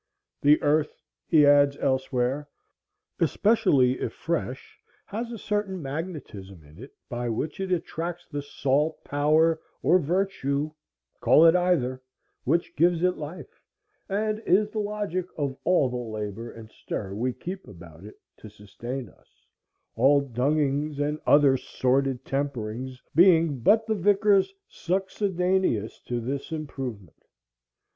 "The earth," he adds elsewhere, "especially if fresh, has a certain magnetism in it, by which it attracts the salt, power, or virtue (call it either) which gives it life, and is the logic of all the labor and stir we keep about it, to sustain us; all dungings and other sordid temperings being but the vicars succedaneous to this improvement."